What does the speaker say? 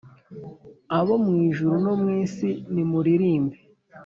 Abo mu ijuru no mu isi nimuririmbe